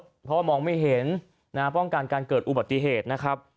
เพราะว่ามองไม่เห็นนะฮะป้องกันการเกิดอุบัติเหตุนะครับ